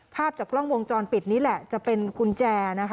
ภาพจากกล้องวงจรปิดนี่แหละจะเป็นกุญแจนะคะ